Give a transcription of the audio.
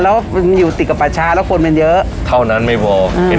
แล้วมันอยู่ติดกับป่าชาแล้วคนมันเยอะเท่านั้นไม่พอเห็น